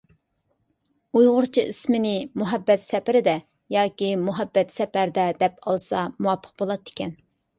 ئۇيغۇرچە ئىسمىنى «مۇھەببەت سەپىرىدە» ياكى «مۇھەببەت سەپەردە» دەپ ئالسا مۇۋاپىق بولاتتىكەن.